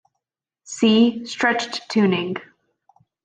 See: stretched tuning.